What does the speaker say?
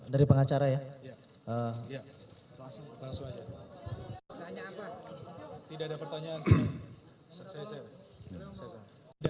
dari pengacara ya